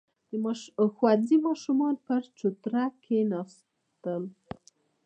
• د ښوونځي ماشومان پر چوتره کښېناستل.